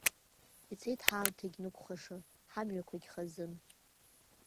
Ицеит ҳаамҭагь нықәхәаша, ҳамҩақәагь хазын.